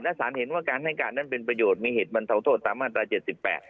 และสารเห็นว่าการให้การนั้นเป็นประโยชน์มีเหตุบรรเทาโทษตามมาตราเจ็ดสิบแปด